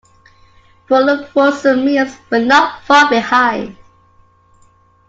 Full frozen meals were not far behind.